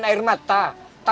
sampai dia mencucurkan air mata